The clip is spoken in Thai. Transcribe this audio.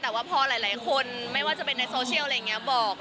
แต่ว่าพอหลายคนไม่ว่าจะเป็นในโซเชียลอะไรอย่างนี้บอก